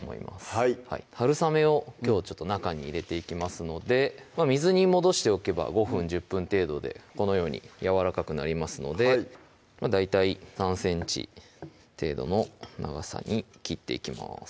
はいはるさめをきょうはちょっと中に入れていきますので水に戻しておけば５分１０分程度でこのようにやわらかくなりますので大体３ｃｍ程度の長さに切っていきます